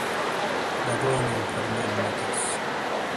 دبونئیی فرمان نے تھاس۔